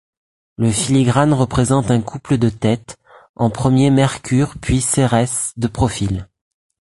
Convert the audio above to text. Le filigrane représente un couple de tête, en premier Mercure puis Cérès, de profil.